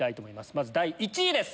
まず第１位です。